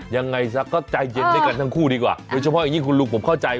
ยังไงซะก็ใจเย็นด้วยกันทั้งคู่ดีกว่าโดยเฉพาะอย่างยิ่งคุณลุงผมเข้าใจ